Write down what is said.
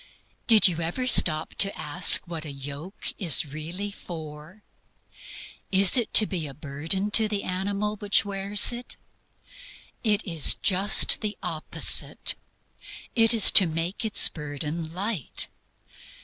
Did you ever stop to ask what a yoke is really for? Is it to be a burden to the animal which wears it? It is just the opposite. It is to make its burden light.